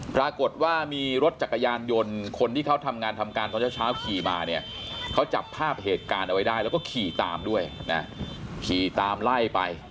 ปรากฏว่ามีรถจักรยานยนต์คนที่เขาทำงานทำการตอนเช้าขี่มาเนี่ยเขาจับภาพเหตุการณ์เอาไว้ได้แล้วก็ขี่ตามด้วยนะขี่ตามไล่ไป